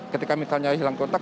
ketika misalnya hilang kotak